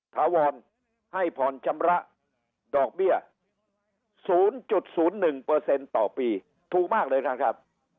ธวรณ์ให้พอนจำระดอกเบี้ยสูญจุดศูนย์หนึ่งเปอร์เซ็นต์ต่อปีถูกมากเลยครับ